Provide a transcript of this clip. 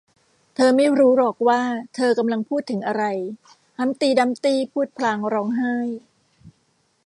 เธอไม่รู้หรอกว่าเธอกำลังพูดถึงอะไร ฮัมพ์ตี้ดัมพ์ตี้พูดพลางร้องไห้